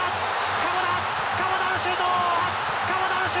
鎌田のシュート。